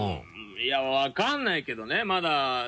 いや分からないけどねまだ。